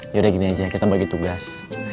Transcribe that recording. yaudah gini aja kita bagi tugas